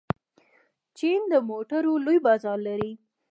چین د موټرو لوی بازار لري.